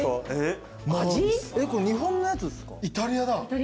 これ日本のやつっすか？